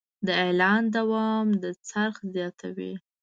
د اعلان دوام د خرڅ زیاتوي.